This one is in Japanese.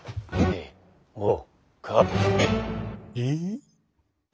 えっ！？